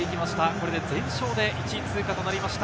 これで全勝で１位通過となりました。